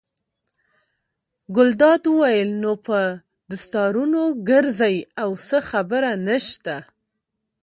ګلداد وویل: نو په دستارونو ګرځئ او څه خبره نشته.